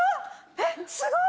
えっすごい！